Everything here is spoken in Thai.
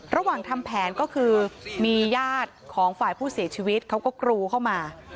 ระหว่างทำแผนก็คือมีญาติของฝ่ายผู้เสียชีวิตเขาก็กรูเข้ามา